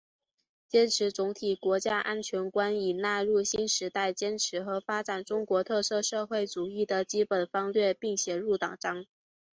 坚持总体国家安全观已纳入新时代坚持和发展中国特色社会主义的基本方略并写入党章